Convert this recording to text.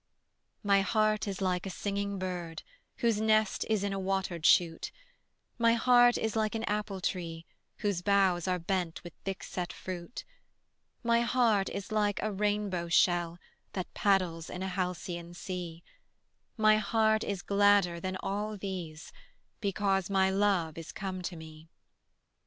My heart is like a singing bird Whose nest is in a watered shoot; My heart is like an apple tree Whose boughs are bent with thick set fruit; My heart is like a rainbow shell That paddles in a halcyon sea; My heart is gladder than all these Because my love is come to me.